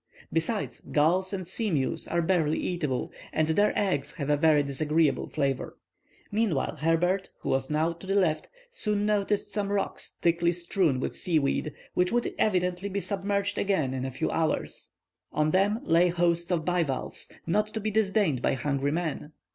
Besides, gulls and sea mews are barely eatable, and their eggs have a very disagreeable flavor. Meanwhile Herbert, who was now to the left, soon noticed some rocks thickly strewn with sea weed, which would evidently be submerged again in a few hours. On them lay hosts of bivalves, not to be disdained by hungry men.